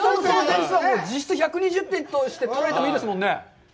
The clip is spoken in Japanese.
実質１２０点として捉えてもいいですもんね？